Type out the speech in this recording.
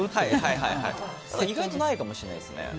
意外とないかもしれないです。